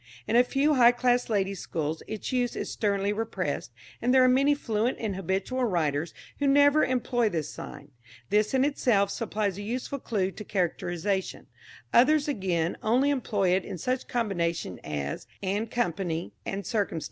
In a few high class ladies' schools its use is sternly repressed, and there are many fluent and habitual writers who never employ this sign. This in itself supplies a useful clue to characterisation. Others, again, only employ it in such combinations as "& Co.," "&c.